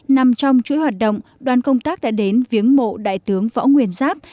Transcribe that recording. nằm trong chuỗi hoạt động đoàn công tác đã đến viếng mộ đại tướng võ nguyên giáp